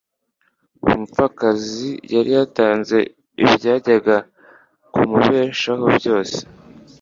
uwo mupfakazi yari yatanze ibyajyaga kumubeshaho byose.